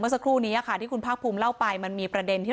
สักครู่นี้ค่ะที่คุณภาคภูมิเล่าไปมันมีประเด็นที่